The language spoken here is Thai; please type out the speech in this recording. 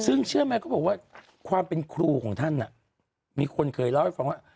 ซึ่งเชื่อไหมเขาบอกว่าความเป็นครูของท่านมีคนเคยเล่าให้ฟังว่า